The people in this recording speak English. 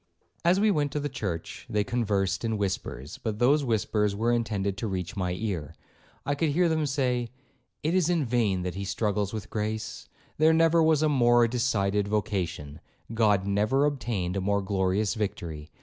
'As we went to the church, they conversed in whispers, but those whispers were intended to reach my ear. I could hear them say, 'It is in vain that he struggles with grace; there never was a more decided vocation; God never obtained a more glorious victory.